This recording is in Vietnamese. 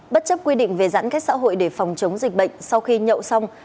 bất chấp quy định về giãn cách xã hội để phòng chống dịch bệnh sau khi nhậu xong